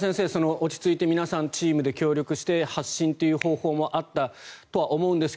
落ち着いて皆さん、チームで協力して発信という方法もあったとは思うんですが